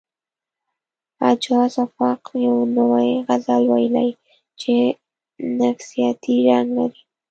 اعجاز افق یو نوی غزل ویلی چې نفسیاتي رنګ لري